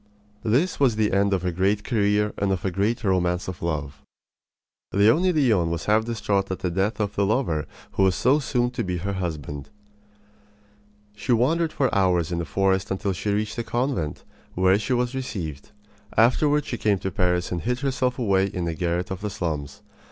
This was the end of a great career and of a great romance of love. Leonie Leon was half distraught at the death of the lover who was so soon to be her husband. She wandered for hours in the forest until she reached a convent, where she was received. Afterward she came to Paris and hid herself away in a garret of the slums.